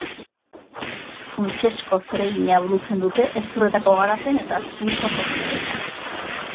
Funtsezko zeregina burutzen dute hezurretako garapen eta hazkuntza prozesuetan.